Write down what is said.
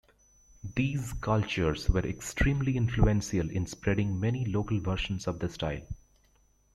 These cultures were extremely influential in spreading many local versions of the style.